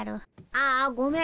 ああごめん。